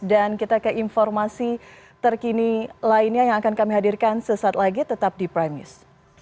dan kita ke informasi terkini lainnya yang akan kami hadirkan sesaat lagi tetap di prime news